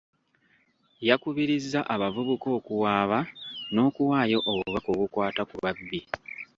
Yakubirizza abavubuka okuwaaba n'okuwaayo obubaka obukwata ku babbi.